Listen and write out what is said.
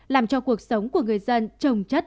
làm cho cuộc sống của người dân trồng chất